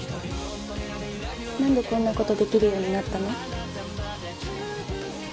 何でこんなことできるようになったの？